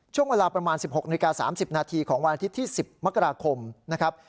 ช่วงเวลาประมาณ๑๖นาฬิกา๓๐นาทีของวันอาทิตย์ที่๑๐มกราคมนะครับ